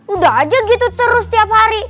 udah aja gitu terus setiap hari